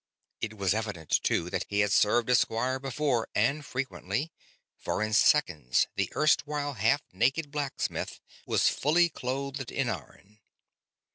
It was evident, too, that he had served as squire before, and frequently; for in seconds the erstwhile half naked blacksmith was fully clothed in iron.